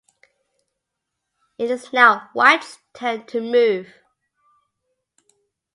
It is now white's turn to move.